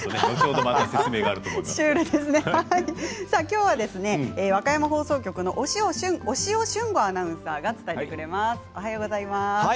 きょうは和歌山放送局の押尾駿吾アナウンサーが伝えてくれます。